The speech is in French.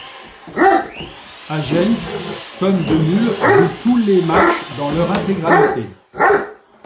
À Genk, Tom De Mul joue tous les matchs dans leur intégralité.